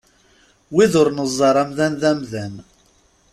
Wid ur neẓẓar amdan d amdan.